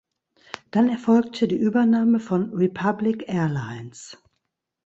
Dann erfolgte die Übernahme von Republic Airlines.